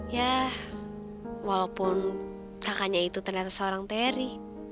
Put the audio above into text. yah walaupun kakaknya itu ternyata seorang teri